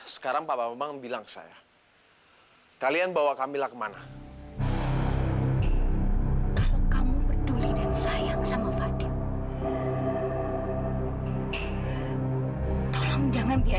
sampai jumpa di video selanjutnya